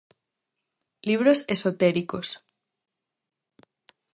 Libros esotéricos.